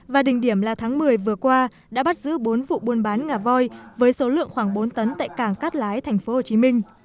và đỉnh điểm là tháng một mươi vừa qua đã bắt giữ bốn vụ buôn bán ngà voi với số lượng khoảng bốn tấn tại cảng cát lái tp hcm